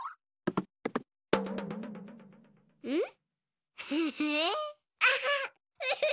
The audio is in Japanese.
うん？